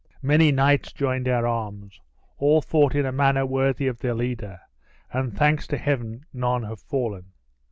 "Many knights joined our arms. All fought in a manner worthy of their leader, and thanks to Heaven, none have fallen."